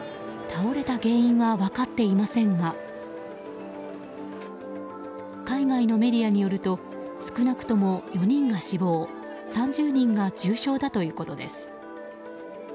倒れた原因は分かっていませんが海外のメディアによると少なくとも４人が死亡３０人が重傷だということです。